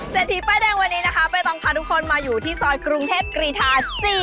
ทีป้ายแดงวันนี้นะคะใบตองพาทุกคนมาอยู่ที่ซอยกรุงเทพกรีธา๔